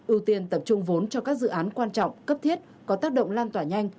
ưu tiên tập trung vốn cho các dự án quan trọng cấp thiết có tác động lan tỏa nhanh